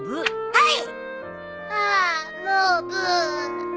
はい！